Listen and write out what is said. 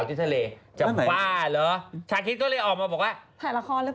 มีแบบแบบลึก